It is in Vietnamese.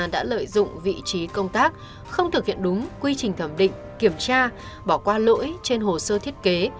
đã lợi dụng vị trí công tác không thực hiện đúng quy trình thẩm định kiểm tra bỏ qua lỗi trên hồ sơ thiết kế